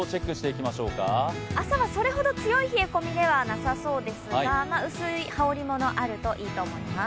朝はそれほど強い冷え込みではないんですが薄い羽織り物があるといいと思います。